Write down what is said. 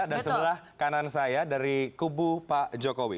dan sebelah kanan saya dari kubu pak jokowi